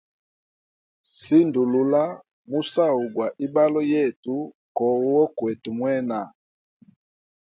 Sindulula musau gwa ibalo yetu ko wokwete mwena.